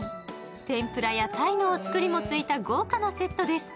天ぷらや鯛のお造りもついた豪華なセットです。